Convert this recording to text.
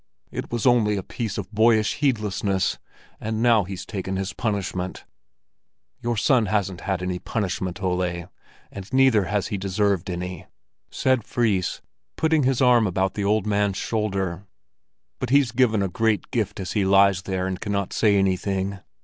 "It was only a piece of boyish heedlessness, and now he's taken his punishment." "Your son hasn't had any punishment, Ole, and neither has he deserved any," said Fris, putting his arm about the old man's shoulder. "But he's given a great gift as he lies there and cannot say anything.